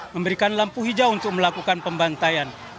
memberikan lampu hijau untuk melakukan pembantaian